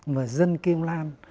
mà dân kim lan